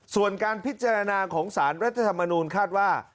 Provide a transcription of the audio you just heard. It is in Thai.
ส่วนการพิจารณาของสารรัฐธรรมนูลคาดว่า